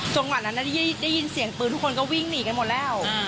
จังหวัดนั้นได้ยินเสียงปืนทุกคนก็วิ่งหนีกันหมดแล้ว